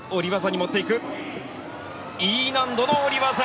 Ｅ難度の下り技！